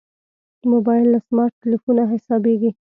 موبایل له سمارټ تلېفونه حسابېږي.